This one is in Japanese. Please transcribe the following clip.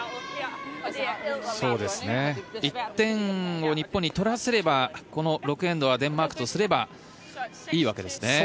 １点を日本に取らせればこの６エンドはデンマークとしてはいいわけですね。